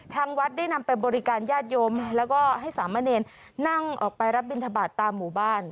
ทางวัดได้นำไปบริการญาติโยมแล้วก็ให้สามเณรนั่งออกไปรับบินทบาทตามหมู่บ้าน